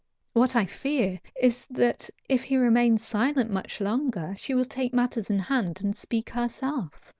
What I fear is that if he remains silent much longer she will take matters in hand and speak herself.